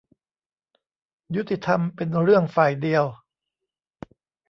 ยุติธรรมเป็นเรื่องฝ่ายเดียว ?